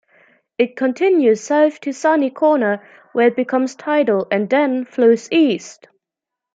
It continues south to Sunny Corner where it becomes tidal, and then flows east.